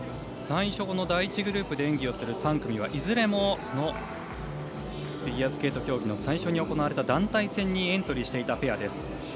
最初の第１グループで演技をする３組はいずれもフィギュアスケート競技最初に行われた団体戦にエントリーしていたペアです。